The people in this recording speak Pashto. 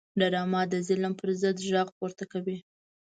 ډرامه د ظلم پر ضد غږ پورته کوي